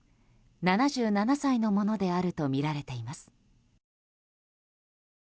７７歳のものであるとみられています。